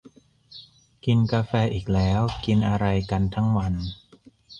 กินกาแฟอีกแล้ว กินอะไรกันทั้งวัน